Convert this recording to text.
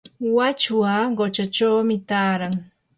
wachwa quchachawmi taaran.